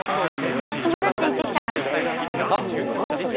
泊まるって言ってきたからはっ？